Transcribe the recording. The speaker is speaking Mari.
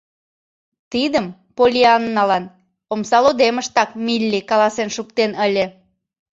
Тидым Поллианналан омсалондемыштак Милли каласен шуктен ыле.